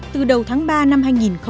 từ đầu tháng ba năm hai nghìn một mươi sáu